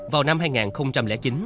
vào năm hai nghìn chín